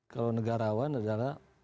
kalau negarawan adalah